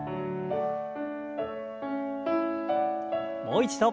もう一度。